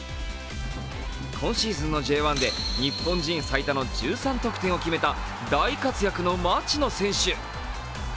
今シーズンのＪ１で日本人最多の１３得点を決めた大活躍の町野選手。